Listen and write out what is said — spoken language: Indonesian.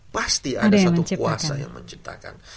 pasti ada satu kuasa yang menciptakan